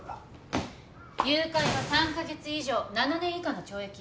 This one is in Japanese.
誘拐は３カ月以上７年以下の懲役よ。